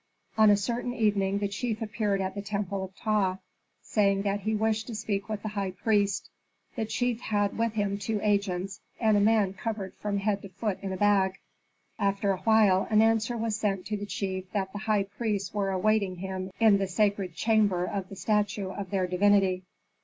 On a certain evening the chief appeared at the temple of Ptah, saying that he wished to speak with the high priest. The chief had with him two agents, and a man covered from head to foot in a bag. After a while an answer was sent to the chief that the high priests were awaiting him in the sacred chamber of the statue of their divinity.